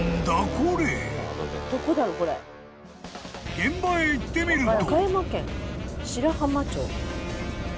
［現場へ行ってみると］